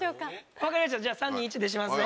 分かりましたじゃあ３・２・１でしますね。